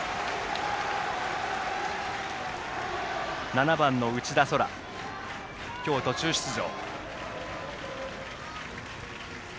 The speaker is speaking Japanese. ７番の内田蒼空は今日、途中出場。